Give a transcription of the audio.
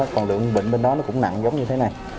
còn lượng bệnh bên đó nó cũng nặng giống như thế này